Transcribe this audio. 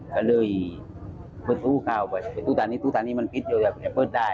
ก็เลยพูดผู้เข้าไปคุณตอนนี้มันพิษอยู่แต่พิษได้